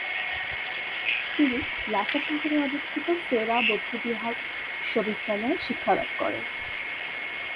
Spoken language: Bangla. তিনি লাসা শহরে অবস্থিত সে-রা বৌদ্ধবিহার বিশ্ববিদ্যালয়ে শিক্ষালাভ করেন।